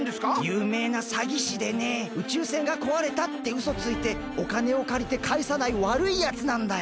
ゆうめいなさぎしでね「宇宙船がこわれた」ってうそついておかねをかりてかえさないわるいやつなんだよ！